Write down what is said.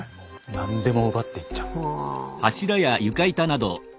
何でも奪っていっちゃうんです。